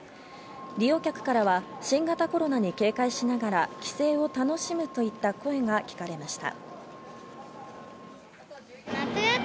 利用客からは新型コロナに警戒しながら帰省を楽しむといった声が聞かれました。